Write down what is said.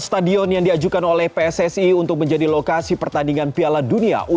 stadion yang diajukan oleh pssi untuk menjadi lokasi pertandingan piala dunia u dua puluh